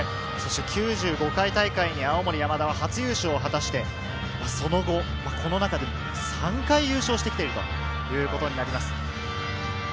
９５回大会に青森山田は初優勝を果たして、その後、この中で３回優勝してきているということになります。